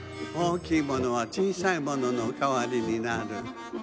おおきいものはちいさいもののかわりになる。